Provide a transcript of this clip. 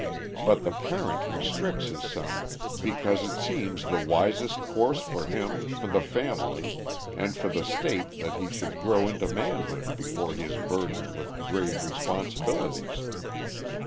But the parent restricts his son because it seems the wisest course for him, for the family, and for the state that he should grow to manhood before he is burdened with grave responsibilities.